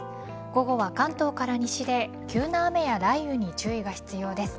午後は関東から西で急な雨や雷雨に注意が必要です。